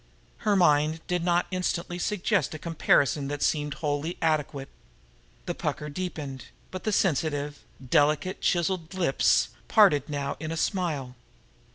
Her mind did not instantly suggest a comparison that seemed wholly adequate. The pucker deepened, but the sensitive, delicately chiseled lips parted now in a smile.